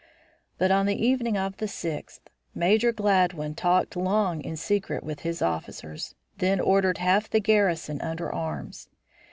But on the evening of the sixth, Major Gladwin talked long in secret with his officers, then ordered half the garrison under arms.